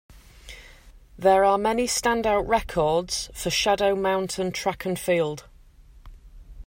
There are many standout records for Shadow Mountain Track and Field.